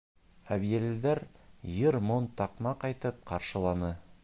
Әбйәлилдәр йыр-моң, таҡмаҡ әйтеп ҡаршыланы.